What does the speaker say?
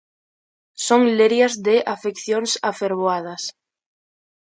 Son lerias de afeccións afervoadas.